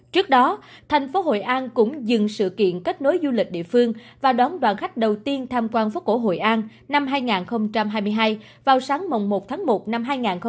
trước đó thành phố hội an cũng dừng sự kiện kết nối du lịch địa phương và đón đoàn khách đầu tiên tham quan phố cổ hội an năm hai nghìn hai mươi hai vào sáng một tháng một năm hai nghìn hai mươi bốn